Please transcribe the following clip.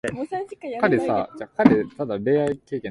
数学の勉強は将来の役に立つ